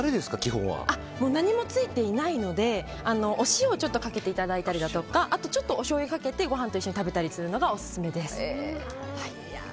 何もついていないのでお塩をちょっとかけていただいたりちょっとおしょうゆをかけてご飯と一緒に食べたりするのがオススメです。